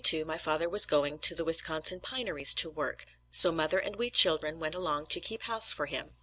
In 1842 my father was going to the Wisconsin pineries to work, so mother and we children went along to keep house for him.